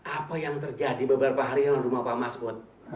apa yang terjadi beberapa hari yang di rumah pak mas bud